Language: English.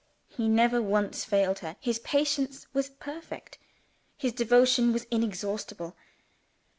He never once failed her; his patience was perfect; his devotion was inexhaustible.